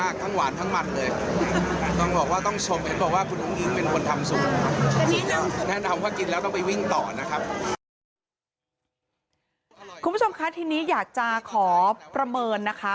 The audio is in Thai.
คุณผู้ชมคะทีนี้อยากจะขอประเมินนะคะ